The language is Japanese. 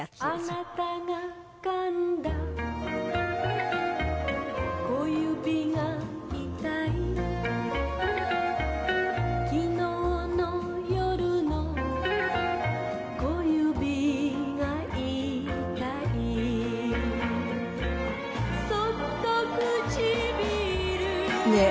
「あなたが噛んだ小指が痛い」「きのうの夜の小指が痛い」「そっとくちびる」ねえ。